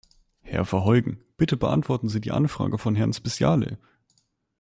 Herr Verheugen, bitte beantworten Sie die Anfrage von Herrn Speciale.